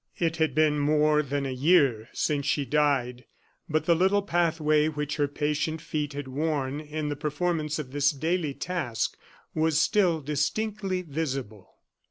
It had been more than a year since she died; but the little pathway which her patient feet had worn in the performance of this daily task was still distinctly visible.